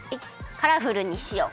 カラフルにしよう。